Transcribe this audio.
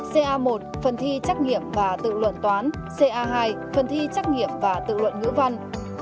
ca một phần thi trắc nghiệm và tự luận toán ca hai phần thi trắc nghiệp và tự luận ngữ văn